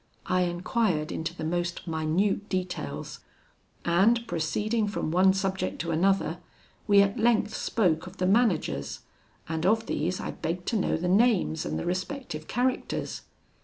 I enquired into the most minute details; and, proceeding from one subject to another, we at length spoke of the managers, and of these I begged to know the names and the respective characters.